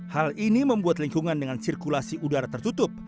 hal ini membuat lingkungan dengan sirkulasi udara tertutup